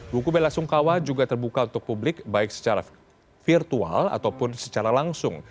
buku bella sungkawa juga terbuka untuk publik baik secara virtual ataupun secara langsung